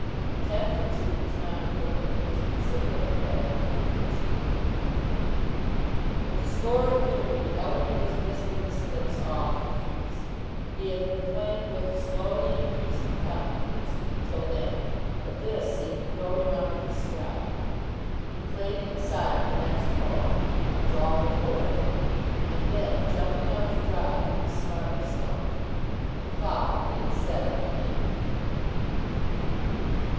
Ten for two was not good; but it was considerably better than one for two. With the score at thirty, Ellerby was missed in the slips off de Freece. He had been playing with slowly increasing confidence till then, but this seemed to throw him out of his stride. He played inside the next ball, and was all but bowled: and then, jumping out to drive, he was smartly stumped. The cloud began to settle again.